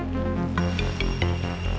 llamernya orang ada untuk